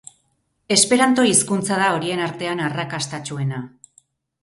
Esperanto hizkuntza da horien artean arrakastatsuena.